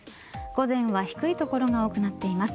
午前は低い所が多くなっています。